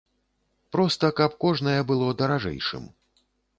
Проста, каб кожнае было даражэйшым.